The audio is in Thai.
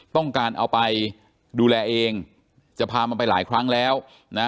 ต้องการเอาไปดูแลเองจะพามันไปหลายครั้งแล้วนะ